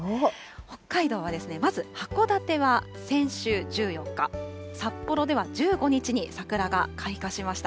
北海道は、まず函館は先週１４日、札幌では１５日に桜が開花しました。